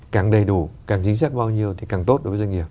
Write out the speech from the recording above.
càng đầy đủ càng chính xác bao nhiêu thì càng tốt đối với doanh nghiệp